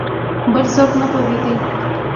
بل څوک نه په پوهېدی !